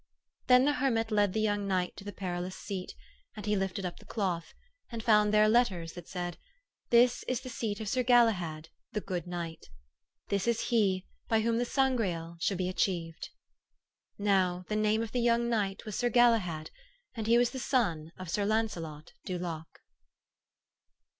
..." Then the hermit led the young knight to the Perilous Seat ; and he lifted up the cloth, and found there letters that said, 4 This is the seat of Sir Gala had the good knight.' This is he by whom the Sangreal shall be achieved. ..." Now, the name of the young knight was Sir Galahad, and he was the son of Sir Launcelot du Lac."